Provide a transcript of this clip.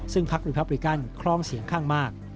ซึ่งพักรีพับริกันครองเสียงข้างมาก